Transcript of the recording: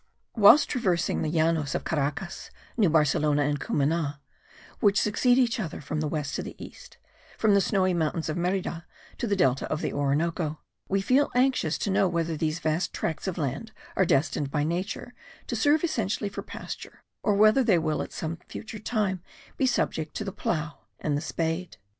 Whilst traversing the Llanos of Caracas, New Barcelona, and Cumana, which succeed each other from west to east, from the snowy mountains of Merida to the Delta of the Orinoco, we feel anxious to know whether these vast tracts of land are destined by nature to serve eternally for pasture or whether they will at some future time be subject to the plough and the spade.